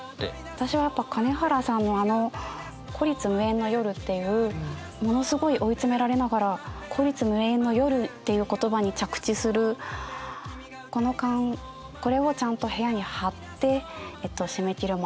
私はやっぱ金原さんのあの「孤立無援の夜」っていうものすごい追い詰められながら「孤立無援の夜」っていう言葉に着地するこれをちゃんと部屋に貼って締め切りを守ろうという。